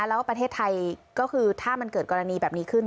แล้วก็ประเทศไทยก็คือถ้ามันเกิดกรณีแบบนี้ขึ้น